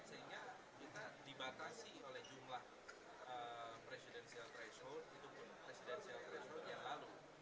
sehingga kita dibatasi oleh jumlah presidensial threshold ataupun presidensial threshold yang lalu